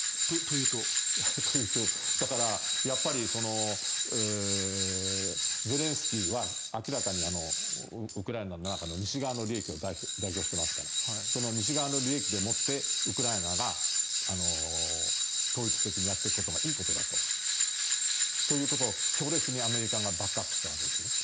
だから、やっぱりゼレンスキーは明らかにウクライナの中の西側の利益を代表していますからその西側の利益でもってウクライナが統一的にやっていくことがいいことだということを強烈にアメリカがバックアップしたわけですね。